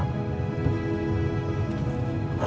aku mau pergi